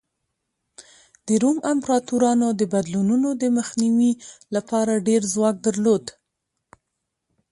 د روم امپراتورانو د بدلونونو د مخنیوي لپاره ډېر ځواک درلود